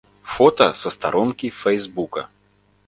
Фота са старонкі фэйсбука.